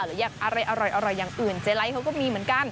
หรืออยากอะไรอร่อยอย่างอื่นเจ๊ไลท์เขาก็มีเหมือนกัน